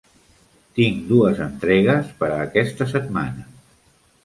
Tinc dues entregues per a aquesta setmana.